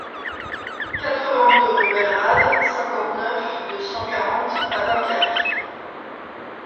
quatre-vingt-deux rue Belle Rade, cinquante-neuf, deux cent quarante à Dunkerque